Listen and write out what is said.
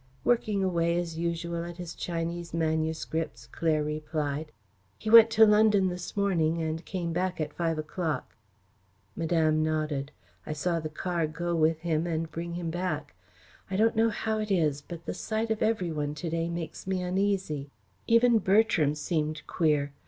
"Working away as usual at his Chinese manuscripts," Claire replied. "He went to London this morning and came back at five o'clock." Madame nodded. "I saw the car go with him and bring him back. I don't know how it is, but the sight of every one to day makes me uneasy. Even Bertram seemed queer.